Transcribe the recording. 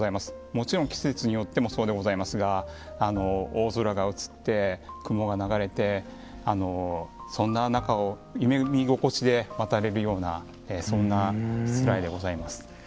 もちろん季節によってもそうでございますが大空が映って雲が流れてそんな中を夢見心地で渡れるようなそんなしつらえでございます。